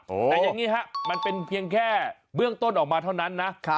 แต่อย่างนี้ฮะมันเป็นเพียงแค่เบื้องต้นออกมาเท่านั้นนะ